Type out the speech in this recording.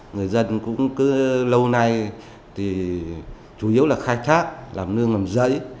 người dân cũng cứ lâu nay chủ yếu là khai thác làm nương làm rẫy